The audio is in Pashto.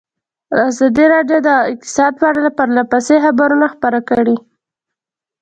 ازادي راډیو د اقتصاد په اړه پرله پسې خبرونه خپاره کړي.